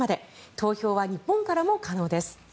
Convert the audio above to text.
投票は日本からも可能です。